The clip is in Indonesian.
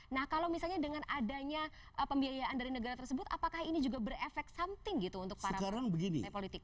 nah kalau misalnya dengan adanya pembiayaan dari negara tersebut apakah ini juga berefek something gitu untuk para politik